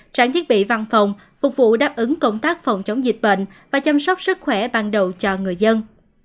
trang thiết bị văn phòng phục vụ đáp ứng công tác phòng chống dịch bệnh và chăm sóc sức khỏe ban đầu cho người dân